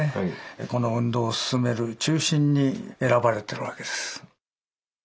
この運動を進める中心に選ばれてるわけです。